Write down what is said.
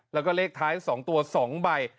แล้วก็เลขท้าย๒ตัว๒ใบ